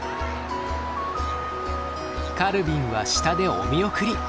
カルビンは下でお見送り。